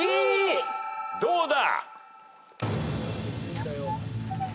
どうだ？